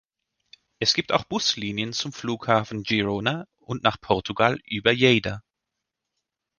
Es gibt auch Buslinien zum Flughafen Girona und nach Portugal über Lleida.